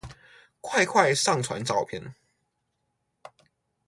快快上傳照片